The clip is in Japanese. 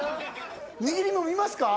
握りも見ますか？